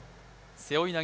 背負い投げ！